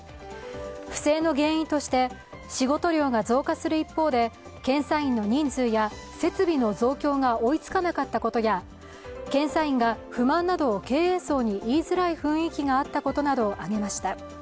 不正の原因として仕事量が増加する一方で検査員の人数や設備の増強が追いつかなかったことや検査員が不満などを経営層に言いづらい雰囲気があったことなどを挙げました。